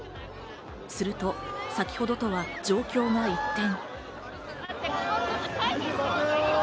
すると先ほどとは状況が一転。